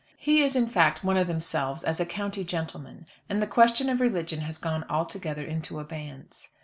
He is, in fact, one of themselves as a county gentleman, and the question of religion has gone altogether into abeyance.